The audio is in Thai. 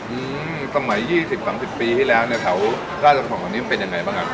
อืมสมัย๒๐๓๐ปีที่แล้วเนี่ยแถวข้าวจากของตรงนี้มันเป็นยังไงบ้างอ่ะ